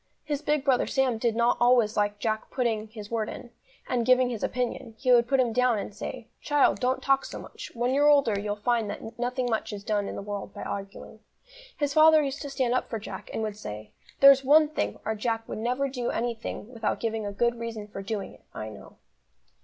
His big brother Sam did not always like Jack putting his word in, and giving his opinion; he would put him down and say: "Child, don't talk so much, when you're older you'll find that nothing much is done in the world by arguing." His father used to stand up for Jack, and would say: "There's one thing, our Jack will never do anything without giving a good reason for doing it, I know."